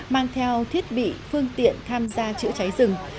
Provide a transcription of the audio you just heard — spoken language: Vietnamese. mang theo thiết bị phương tiện tham gia chữa cháy rừng